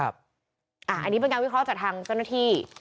อันนี้เป็นการวิเคราะห์จากทางเจ้าหน้าที่